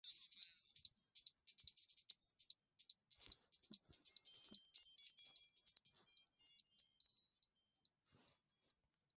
Rwanda inasisitizwa kwamba jamuhuri ya kidemokrasia ya Kongo na Rwanda zina mbinu za kuthibitisha madai ya aina yoyote